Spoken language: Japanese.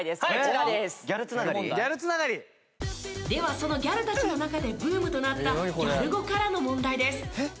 そのギャルたちの中でブームとなったギャル語からの問題です。